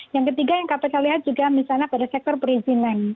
yang ketiga yang kpk lihat juga misalnya pada sektor perizinan